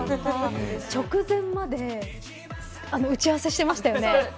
直前まで打ち合わせをしていましたよね。